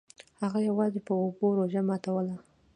هغه یوازې په اوبو روژه ماتوله.